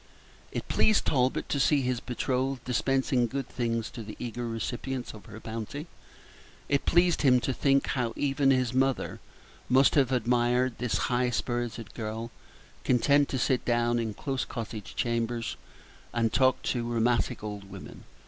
It pleased Talbot to see his betrothed dispensing good things to the eager recipients of her bounty. It pleased him to think how even his mother must have admired this high spirited girl, content to sit down in close cottage chambers and talk to rheumatic old women.